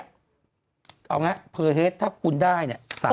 เอาอย่างนี้เพอเทสถ้าคุณได้นี่๓๐๐๐๐บาท